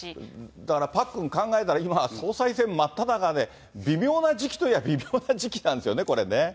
だからパックン、考えたら、今、総裁選真っただ中で、微妙な時期といや、微妙な時期なんですよね、これね。